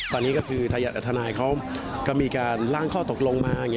ตอนนี้ก็คือไทยมันอัตรนายเขาก็มีการล้างข้อตกลงมา